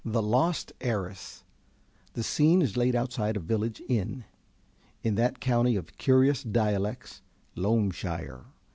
"THE LOST HEIRESS" _The Scene is laid outside a village inn in that county of curious dialects, Loamshire.